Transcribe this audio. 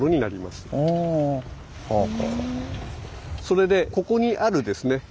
それでここにあるですね